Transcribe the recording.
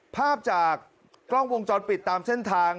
ภาพจากกล้องวงจรปิดตามเส้นทาง